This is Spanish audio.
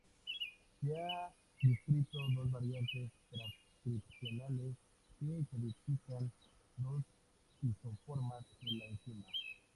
Se han descrito dos variantes transcripcionales que codifican dos isoformas de la enzima.